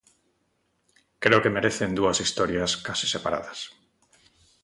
Creo que merecen dúas historias case separadas.